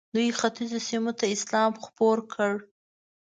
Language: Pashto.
دوی ختیځو سیمو ته اسلام خپور کړ.